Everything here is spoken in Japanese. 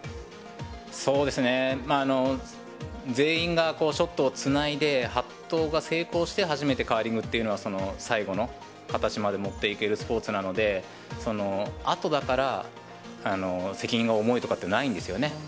そうですね、全員がこう、ショットをつないで、８投が成功して初めてカーリングっていうのは、その最後の形まで持っていけるスポーツなので、そのあとだから責任が重いとかってないんですよね。